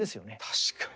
確かに。